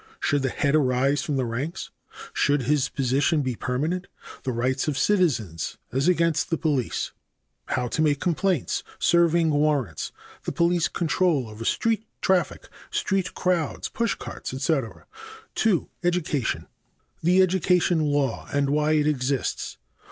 Should the head arise from the ranks? Should his position be permanent? The rights of citizens as against the police. How to make complaints. Serving warrants. The police control over street traffic, street crowds, push carts, etc. 2. Education. The educational law and why it exists.